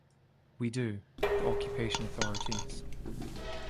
We do, the occupation authorities.